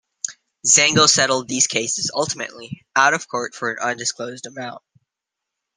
Xango settled these cases ultimately, out of court for an undisclosed amount.